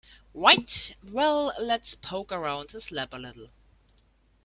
Right, well let's poke around his lab a little.